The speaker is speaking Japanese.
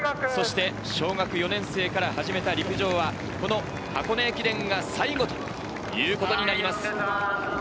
小学４年生から始めた陸上は箱根駅伝が最後ということになります。